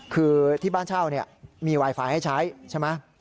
คือที่บ้านเช่ามีไวไฟให้ใช้ใช่ไหม